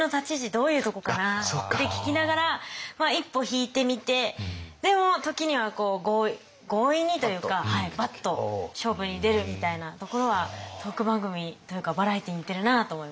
どういうとこかなって聞きながら一歩引いて見てでも時には強引にというかバッと勝負に出るみたいなところはトーク番組というかバラエティーに似てるなと思いました。